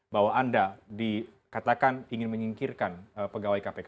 bahwa anda dikatakan ingin menyingkirkan pegawai kpk